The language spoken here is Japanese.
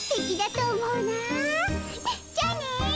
じゃあね。